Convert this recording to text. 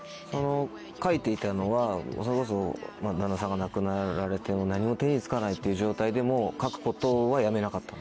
書いていたのはそれこそ旦那さんが亡くなられて何も手に付かないっていう状態でも書くことはやめなかった？